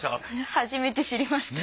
初めて知りました。